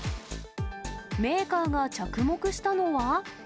メーカーが着目したのは。